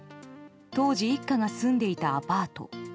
当時、一家が住んでいたアパート。